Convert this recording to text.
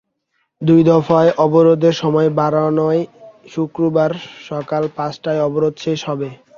দুই দফায় অবরোধের সময় বাড়ানোয় শুক্রবার সকাল পাঁচটায় অবরোধ শেষ হবে।